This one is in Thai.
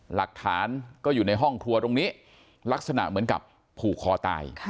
หลักฐานก็อยู่ในห้องครัวตรงนี้ลักษณะเหมือนกับผูกคอตาย